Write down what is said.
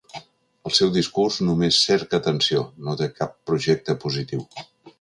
El seu discurs només cerca tensió, no té cap projecte positiu.